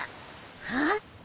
ああ？